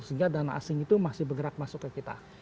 sehingga dana asing itu masih bergerak masuk ke kita